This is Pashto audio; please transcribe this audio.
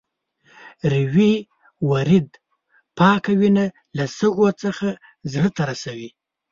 ریوي ورید پاکه وینه له سږو څخه زړه ته رسوي.